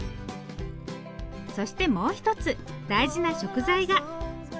そしてもう一つ大事な食材が。